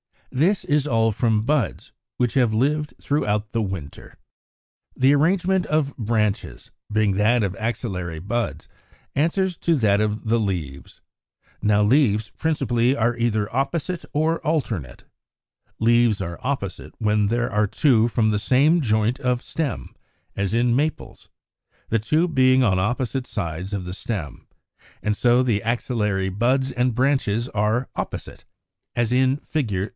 This is all from buds which have lived through the winter. 54. =The Arrangement of Branches=, being that of axillary buds, answers to that of the leaves. Now leaves principally are either opposite or alternate. Leaves are opposite when there are two from the same joint of stem, as in Maples (Fig. 20), the two being on opposite sides of the stem; and so the axillary buds and branches are opposite, as in Fig.